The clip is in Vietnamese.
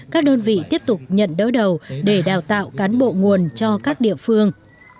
các đơn vị tiếp tục nhận đỡ đầu để đào tạo cán bộ nguồn cho các địa phương